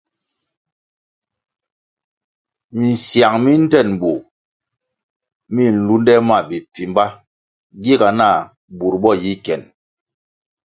Misiang mi ndtenbur mi nlunde ma bipfimba giga nah bur bo yi kien.